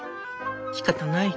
しかたない。